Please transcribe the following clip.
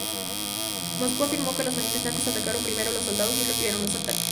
Moscú afirmó que los manifestantes atacaron primero y los soldados repelieron los ataques.